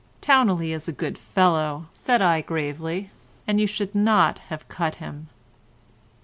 "Towneley is a good fellow," said I, gravely, "and you should not have cut him."